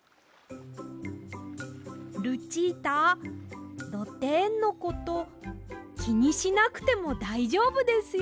ルチータドテンのこときにしなくてもだいじょうぶですよ。